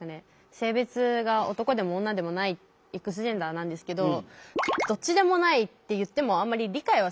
性別が男でも女でもないＸジェンダーなんですけどどっちでもないって言ってもあんまり理解はされないわけですよ。